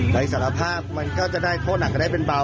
สารภาพมันก็จะได้โทษหนักก็ได้เป็นเบา